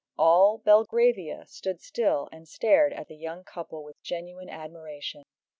All Belgravia stood still and stared at the young couple with genuine admiration.